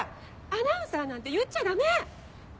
アナウンサーなんて言っちゃダメ！